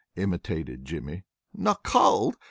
imitated Jimmy. "No cauld!